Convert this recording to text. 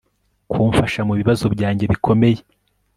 kumfasha mubibazo byanjye bikomeye